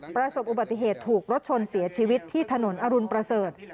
ประสบอุบัติเหตุถูกรถชนเสียชีวิตที่ถนนอรุณประเสริฐ